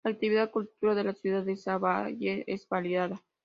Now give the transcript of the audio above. La actividad cultural de la ciudad de Sabadell es variada.